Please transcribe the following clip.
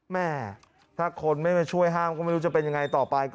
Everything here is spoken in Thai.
แม่ถ้าคนไม่มาช่วยห้ามก็ไม่รู้จะเป็นยังไงต่อไป